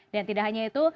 dan tidak hanya itu